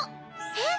えっ？